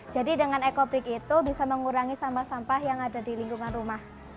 jadi dengan eco brick itu bisa mengurangi sampah sampah yang ada di lingkungan rumah